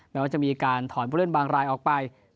แม้ว่าจะมีการถอนผู้เล่นบางรายออกไป